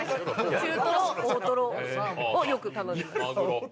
中トロ大トロをよく頼みます。